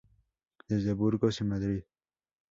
Desde Burgos y Madrid.